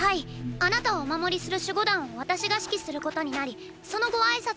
あなたをお守りする守護団を私が指揮することになりそのご挨拶に。